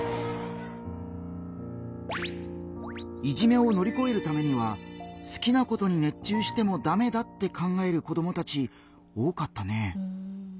いじめを乗り越えるためには好きなことに熱中してもダメだって考える子どもたち多かったね。